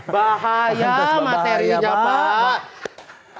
bahaya materinya pak